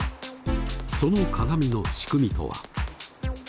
その鏡の仕組みとは？